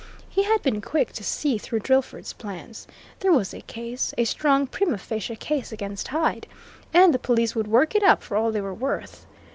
He had been quick to see through Drillford's plans. There was a case, a strong prima facie case against Hyde, and the police would work it up for all they were worth.